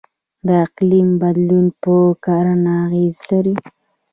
د اقلیم بدلون په کرنه اغیز لري.